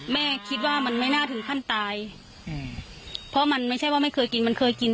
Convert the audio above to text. แม่คิดว่ามันไม่น่าถึงขั้นตายอืมเพราะมันไม่ใช่ว่าไม่เคยกินมันเคยกิน